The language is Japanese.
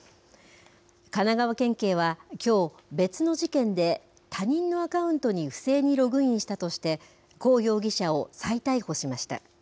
神奈川県警はきょう、別の事件で他人のアカウントに不正にログインしたとして、胡容疑者を再逮捕しました。